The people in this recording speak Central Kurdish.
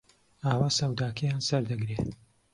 ئاوا سەوداکەیان سەردەگرێ